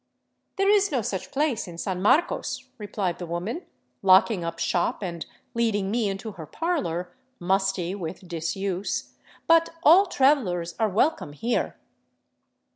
" There is no such place in San Marcos," replied the woman, lock ing up shop and leading me into her parlor, musty with disuse, " but all travelers are welcome here."